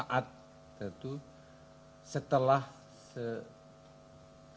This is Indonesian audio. jadi tertangkap pada saat itu